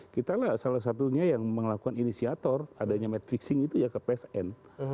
kita lah salah satunya yang melakukan inisiator adanya madfixing itu ya kpsn